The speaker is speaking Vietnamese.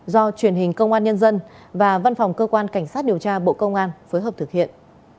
do truyền hình công an nhân dân và văn phòng cơ quan cảnh sát điều tra bộ công an phối hợp thực hiện